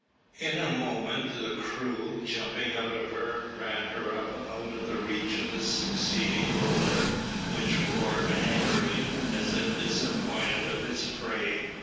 In a moment the crew, jumping out of her, ran her up out of the reach of the succeeding roller, which roared angrily, as if disappointed of its prey.